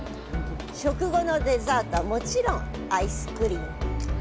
食後のデザートはもちろんアイスクリン。